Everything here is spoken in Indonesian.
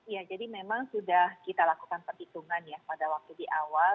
ya jadi memang sudah kita lakukan perhitungan ya pada waktu di awal